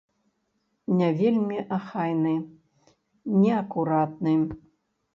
Не вельмі ахайны, неакуратны.